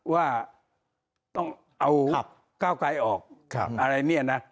ว่าต้องเอาก้าวไกลออกอะไรเนี่ยนะ